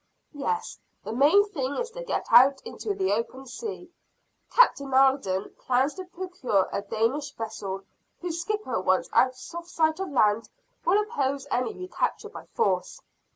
"Yes, the main thing is to get out into the open sea. Captain Alden plans to procure a Danish vessel, whose skipper once out of sight of land, will oppose any recapture by force."